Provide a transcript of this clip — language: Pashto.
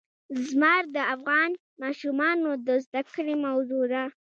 زمرد د افغان ماشومانو د زده کړې موضوع ده.